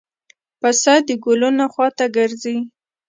پسه د ګلونو خوا ته ګرځي.